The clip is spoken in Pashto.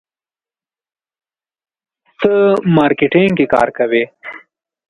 ته مارکیټینګ کې کار کوې.